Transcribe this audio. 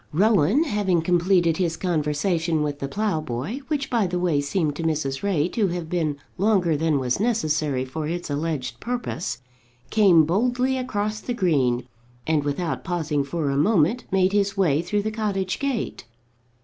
Rowan, having completed his conversation with the ploughboy, which by the way seemed to Mrs. Ray to have been longer than was necessary for its alleged purpose, came boldly across the green, and without pausing for a moment made his way through the cottage gate.